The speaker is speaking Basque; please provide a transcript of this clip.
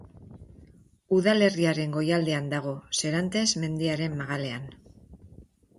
Udalerriaren goialdean dago, Serantes mendiaren magalean.